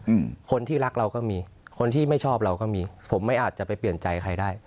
อืมคนที่รักเราก็มีคนที่ไม่ชอบเราก็มีผมไม่อาจจะไปเปลี่ยนใจใครได้